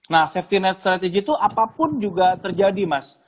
nah safety net strategy itu apapun juga terjadi mas